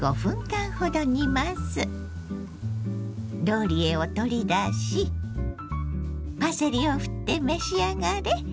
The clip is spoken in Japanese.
ローリエを取り出しパセリをふって召し上がれ。